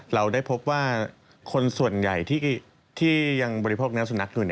เราได้พบว่าคนส่วนใหญ่ที่ยังบริโภคเนื้อสุนัขอยู่